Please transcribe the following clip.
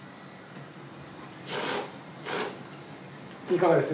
いかがです？